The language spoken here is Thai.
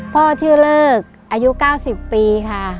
พ่อชื่อเลิกอายุ๙๐ปีค่ะ